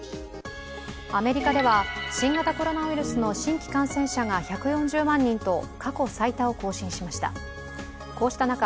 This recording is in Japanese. アメリカでは新型コロナウイルスの新規感染者が１４０万人と過去最多を更新しました